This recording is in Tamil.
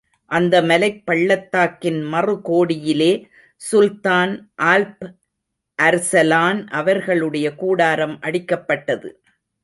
அந்த மலைப் பள்ளத்தாக்கின் மறு கோடியிலே சுல்தான் ஆல்ப் அர்சலான் அவர்களுடைய கூடாரம் அடிக்கப்பட்டது.